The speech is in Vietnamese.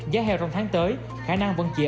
giá heo trong tháng tới khả năng vẫn chỉ